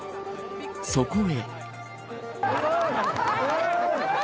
そこへ。